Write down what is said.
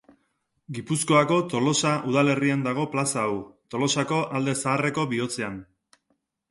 Gipuzkoako Tolosa udalerrian dago plaza hau, Tolosako Alde Zaharreko bihotzean.